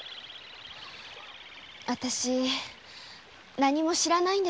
あたし何にも知らないんです。